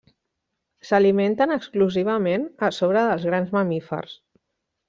S'alimenten exclusivament a sobre dels grans mamífers.